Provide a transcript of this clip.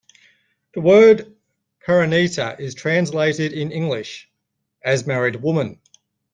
The word "Parineeta" is translated in English as "married woman".